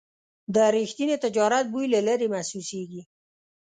د رښتیني تجارت بوی له لرې محسوسېږي.